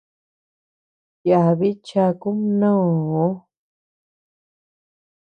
Yabi chaku mnoo.